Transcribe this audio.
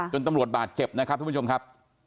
ตำรวจบาดเจ็บนะครับทุกผู้ชมครับ